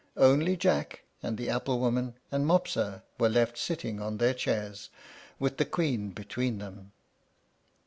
Only Jack, and the apple woman, and Mopsa were left, sitting on their chairs, with the Queen between them.